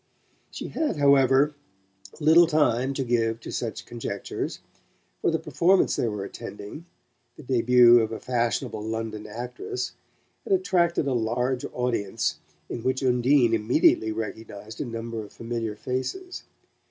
She had, however, little time to give to such conjectures, for the performance they were attending the debut of a fashionable London actress had attracted a large audience in which Undine immediately recognized a number of familiar faces.